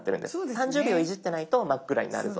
３０秒いじってないと真っ暗になるぞ。